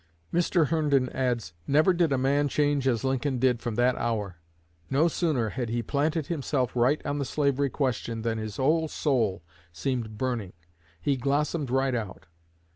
Mr. Herndon adds: "Never did a man change as Lincoln did from that hour. No sooner had he planted himself right on the slavery question than his whole soul seemed burning. _He blossomed right out.